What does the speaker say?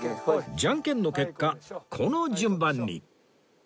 ジャンケンの結果この順番に